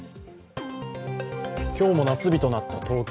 今日も夏日となった東京。